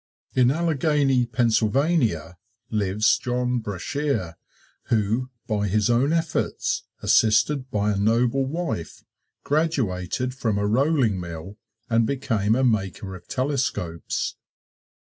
In Allegheny, Pennsylvania, lives John Brashear, who, by his own efforts, assisted by a noble wife, graduated from a rolling mill and became a maker of telescopes.